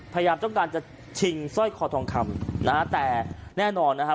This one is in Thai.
พยายามต้องการจะชิงสร้อยคอทองคำนะฮะแต่แน่นอนนะฮะ